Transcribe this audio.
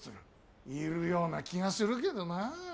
いるような気がするけどなあ。